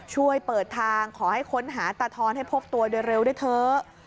ช่วยเปิดทางขอให้ค้นหาตาทอนให้พบตัวโดยเร็วด้วยเถอะ